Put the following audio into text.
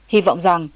hy vọng rằng